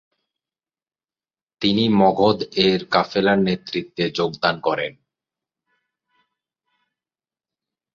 তিনি মগধ এর এক কাফেলার নেতৃত্বে যোগদান করেন।